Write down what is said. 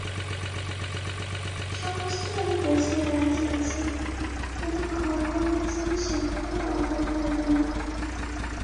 সমস্তই আমি গুছাইয়া রাখিয়াছি, তোদের ঘরকন্নার জিনিসের কোনো অভাব হইবে না।